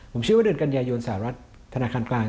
ผมเชื่อว่าเดือนกันยายนสหรัฐธนาคารกลาง